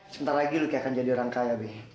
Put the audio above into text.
sebentar lagi lucky akan jadi orang kaya be